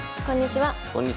こんにちは。